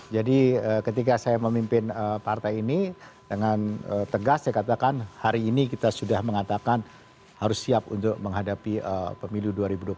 jadi ketika saya memimpin partai ini dengan tegas saya katakan hari ini kita sudah mengatakan harus siap untuk menghadapi pemilu dua ribu dua puluh empat